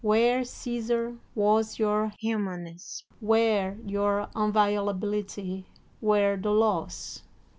Where, Csesar, was your humaneness, where your inviolability, where the laws?